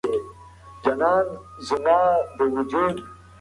د خوب څخه دوه ساعته وړاندې باید خوراک بند کړل شي.